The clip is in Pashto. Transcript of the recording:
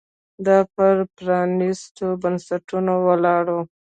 دا پر پرانېستو بنسټونو ولاړ و